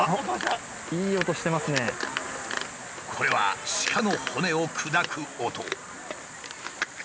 これは鹿の骨を砕く音。